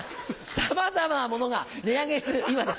さまざまなものが値上げしてる今です。